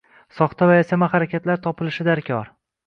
soxta va yasama harakatlar topilishi darkor.